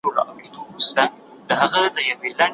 څوک به لیکي پر کیږدیو ترانې د دنګو ښکلیو